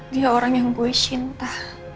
dia orang yang gue cinta